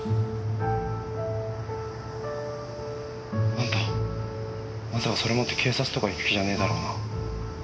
あんたまさかそれ持って警察とか行く気じゃねえだろうな。